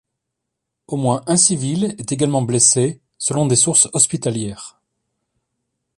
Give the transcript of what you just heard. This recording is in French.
Au moins un civil est également blessé selon des sources hospitalières.